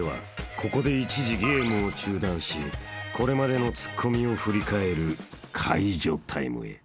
ここで一時ゲームを中断しこれまでのツッコミを振り返る解除タイムへ］